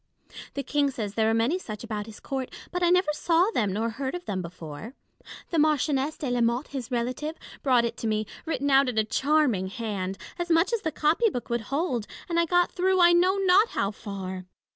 The King says there are many such about his court ; but I never saw them nor heard of them before. The Mar chioness de la Motte, his relative, brought it to me, written out in a charming hand, as much as the copy book would hold ; and I got through, I know not how far.